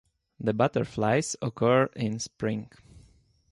The butterflies occur in spring.